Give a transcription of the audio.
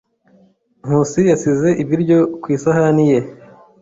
Nkusi yasize ibiryo ku isahani ye.